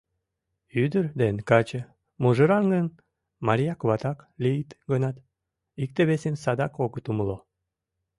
Ӱдыр ден каче, мужыраҥын, марияк-ватак лийыт гынат, икте-весым садак огыт умыло.